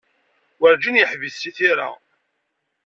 Werǧin yeḥbis seg tira.